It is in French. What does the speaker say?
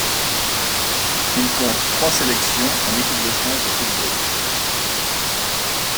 Il compte trois sélections en équipe de France de football.